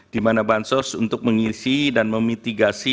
di mana bansos untuk mengisi dan memitigasi